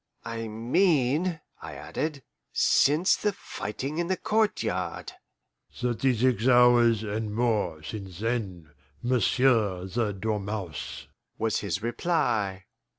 "I mean," I added, "since the fighting in the courtyard." "Thirty six hours and more since then, m'sieu' the dormouse," was his reply.